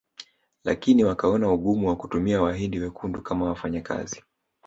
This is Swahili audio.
Lakini wakaona ugumu wa kutumia Wahindi wekundu kama wafanyakazi